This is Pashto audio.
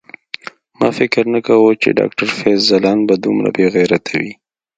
ما فکر نه کاوه چی ډاکټر فیض ځلاند به دومره بیغیرته وی